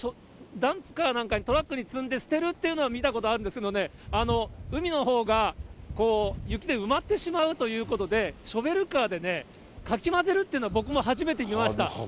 ダンプカーなんか、トラックに積んで捨てるというのは見たことあるんですけどね、海のほうが雪で埋まってしまうということで、ショベルカーでね、かき混ぜるというのは、僕も初めて見ました。